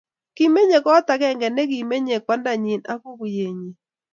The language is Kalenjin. kimenyei koot agenge nekimenyei kwandanyin ak kukoenyin